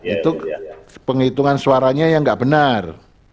itu penghitungan suaranya yang nggak benar